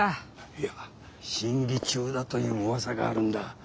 いや審議中だといううわさがあるんだ。